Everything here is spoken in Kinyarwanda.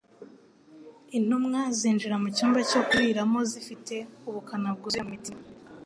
Intumwa zinjira mu cyumba cyo kuriramo zifite ubukana bwuzuye mu mitima.